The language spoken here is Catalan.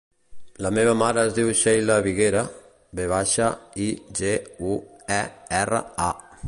La meva mare es diu Sheila Viguera: ve baixa, i, ge, u, e, erra, a.